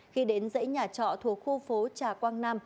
khi đến dãy nhà trọ thuộc khu phố trà quang nam